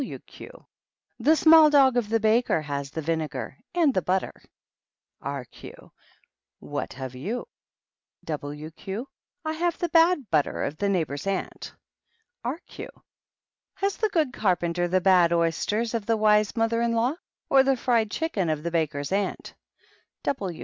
W. Q. The small dog of the baker has the vinegar and the butter. B. Q. What have you? W. Q. I have the bad butter of the neighbor's aunt. B. Q. Has the good carpenter the bad oysters of the wise mother in law, or the fried chicken of the baker's aunt?